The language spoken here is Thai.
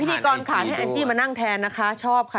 ให้อัลกิจมานั่งแทนนะคะชอบค่ะ